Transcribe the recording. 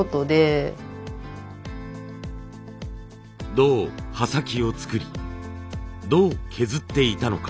どう刃先を作りどう削っていたのか。